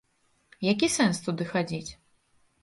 Які сэнс туды хадзіць?